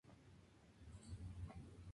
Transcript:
Bisping tiene tres hijos con su novia, Rebecca.